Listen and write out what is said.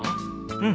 うん。